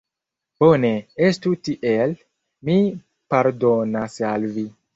Bone, estu tiel, mi pardonas al vi.